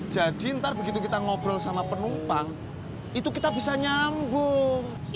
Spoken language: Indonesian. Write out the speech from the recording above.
jadi ntar begitu kita ngobrol sama penumpang itu kita bisa nyambung